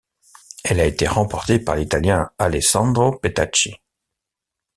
Elle a été remportée par l'Italien Alessandro Petacchi.